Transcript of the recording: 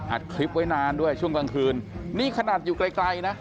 อัดคลิปไว้นานด้วยช่วงกลางคืนนี่ขนาดอยู่ไกลไกลนะ